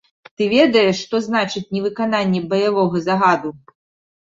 Ты ведаеш, што значыць невыкананне баявога загаду?